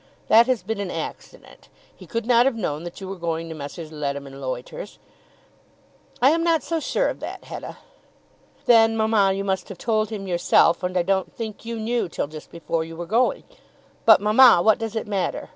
"That has been an accident. He could not have known that you were going to Messrs. Leadham and Loiter's." "I'm not so sure of that, Hetta." "Then, mamma, you must have told him yourself, and I don't think you knew till just before you were going. But, mamma, what does it matter?